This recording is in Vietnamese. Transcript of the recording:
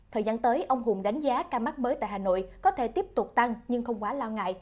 thời gian tới ông hùng đánh giá ca mắc mới tại hà nội có thể tiếp tục tăng nhưng không quá lo ngại